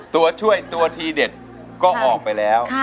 ตัวช่วยตัวทีเด็ดก็ออกไปแล้ว